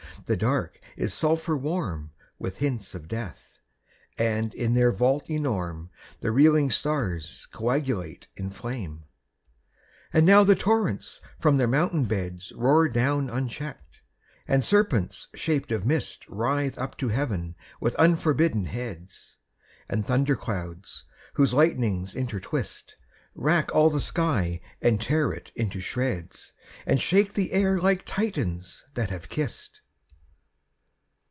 The Dark is sulphur warm With hints of death; and in their vault enorme The reeling stars coagulate in flame. And now the torrents from their mountain beds Roar down uncheck'd; and serpents shaped of mist Writhe up to Heaven with unforbidden heads; And thunder clouds, whose lightnings intertwist, Rack all the sky, and tear it into shreds, And shake the air like Titians that have kiss'd!